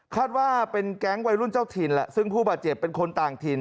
ว่าเป็นแก๊งวัยรุ่นเจ้าถิ่นแหละซึ่งผู้บาดเจ็บเป็นคนต่างถิ่น